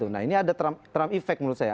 nah ini ada trump effect menurut saya